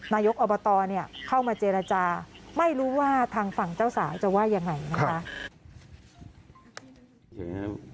นายกอบตเข้ามาเจรจาไม่รู้ว่าทางฝั่งเจ้าสาวจะว่ายังไงนะคะ